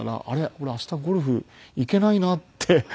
俺明日ゴルフ行けないなって。